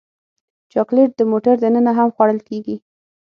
چاکلېټ د موټر دننه هم خوړل کېږي.